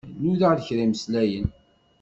Nudaɣ-d kra imslayen.